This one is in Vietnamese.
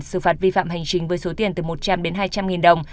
xử phạt vi phạm hành trình với số tiền từ một trăm linh đến hai trăm linh nghìn đồng